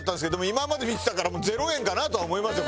今までの見てたから０円かなとは思いますよ。